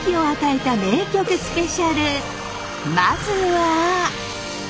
まずは